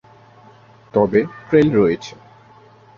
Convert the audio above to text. তবে ট্রেইল রয়েছে।